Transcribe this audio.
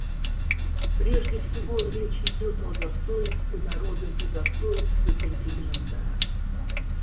Прежде всего, речь идет о достоинстве народа и достоинстве континента.